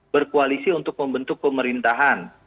pak jokowi memelukai uang telur